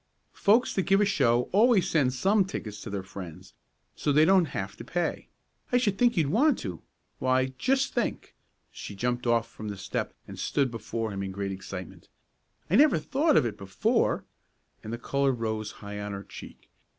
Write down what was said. "Folks that give a show always send some tickets to their friends, so they don't have to pay. I should think you'd want to; why, just think," she jumped off from the step and stood before him in great excitement, "I never thought of it before," and the color rose high on her cheek.